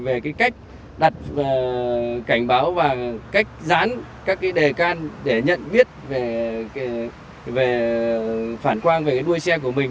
về cái cách đặt cảnh báo và cách dán các cái đề can để nhận biết về phản quang về đuôi xe của mình